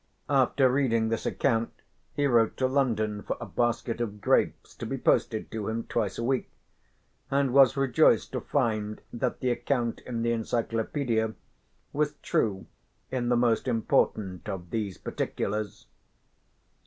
After reading this account he wrote to London for a basket of grapes to be posted to him twice a week and was rejoiced to find that the account in the encyclopedia was true in the most important of these particulars.